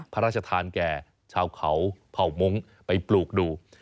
พระราชทานแก่ชาวเขาเผ่ามงค์ไปปลูกดู